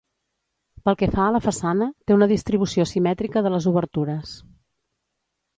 Pel que fa a la façana, té una distribució simètrica de les obertures.